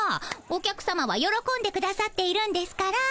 お客さまはよろこんでくださっているんですから。